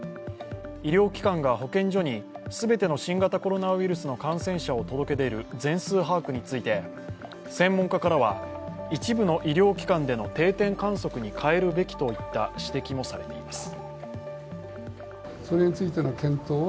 医療機関が保健所に全ての新型コロナウイルスの感染者を届け出る全数把握について、専門家からは一部の医療機関での定点観測に変えるべきといった指摘もされています。